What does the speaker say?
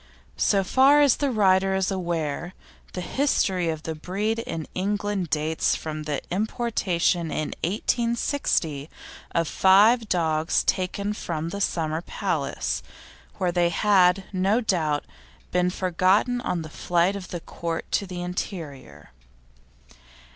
So far as the writer is aware, the history of the breed in England dates from the importation in 1860 of five dogs taken from the Summer Palace, where they had, no doubt, been forgotten on the flight of the Court to the interior.